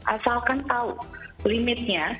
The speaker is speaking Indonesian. asalkan tahu limitnya